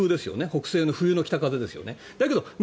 北西の冬の北風ですよね。